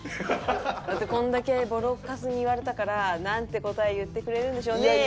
だってこんだけボロカスに言われたからなんて答え言ってくれるんでしょうねって